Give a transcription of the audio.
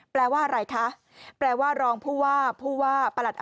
แปลว่าอะไรคะแปลว่ารองผู้ว่าประหลัดอำเภอ